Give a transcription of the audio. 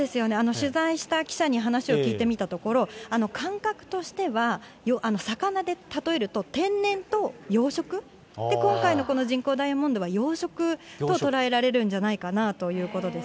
取材した記者に話を聞いてみたところ、感覚としては、魚で例えると天然と養殖、今回のこの人工ダイヤモンドは、養殖と捉えられるんじゃないかなということです。